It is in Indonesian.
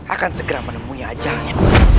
akan segera menemui ajangnya